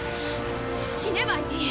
死ねばいい。